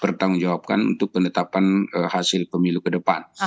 bertanggungjawabkan untuk penetapan hasil pemilu ke depan